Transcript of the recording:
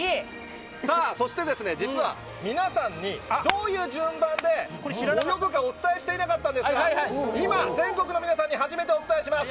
さあ、そして実は皆さんにどういう順番で泳ぐかお伝えしていなかったんですが、今、全国の皆さんに初めてお伝えします。